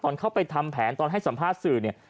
ตอนเข้าไปทำแผนตอนให้สัมภาษณ์สื่อเนี่ย